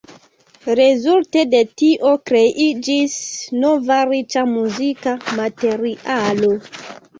Rezulte de tio kreiĝis nova riĉa muzika materialo.